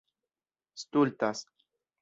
stultas